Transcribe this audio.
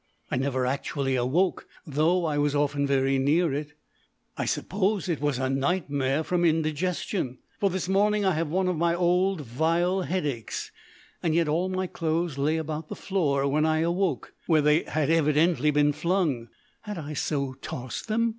I never actually awoke, though I was often very near it. I suppose it was a nightmare from indigestion, for this morning I have one of my old vile headaches. Yet all my clothes lay about the floor when I awoke, where they had evidently been flung (had I so tossed them?)